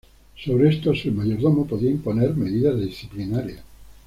Sobre estos el mayordomo podía imponer medidas disciplinarias.